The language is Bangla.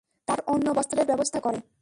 তার অন্ন-বস্ত্রের ব্যবস্থা করে।